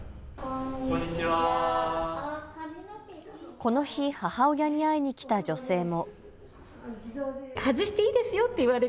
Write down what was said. この日、母親に会いに来た女性も。